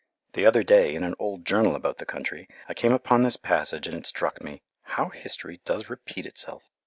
The other day, in an old journal about the country, I came upon this passage, and it struck me "How history does repeat itself."